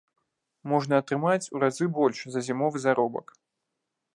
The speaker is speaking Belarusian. Можна атрымаць у разы больш за зімовы заробак.